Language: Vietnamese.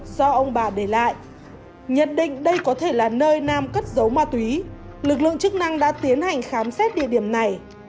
do ông bà để lại nhận định đây có thể là nơi nam cất giấu ma túy lực lượng chức năng đã tiến hành khám xét địa điểm này